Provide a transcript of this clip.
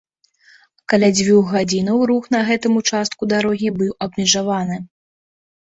Каля дзвюх гадзінаў рух на гэтым участку дарогі быў абмежаваны.